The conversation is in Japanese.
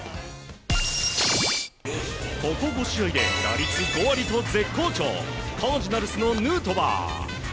ここ５試合で打率５割と絶好調カージナルスのヌートバー。